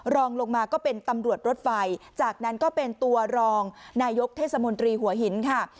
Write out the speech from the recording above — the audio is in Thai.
รองลงมาก็เป็นตำรวจรถไฟจากนั้นก็เป็นตัวรองนายกเทศมนตรีหัวหินค่ะ